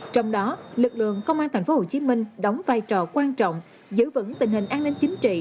trong đó lực lượng công an tp hcm đóng vai trò quan trọng giữ vững tình hình an ninh chính trị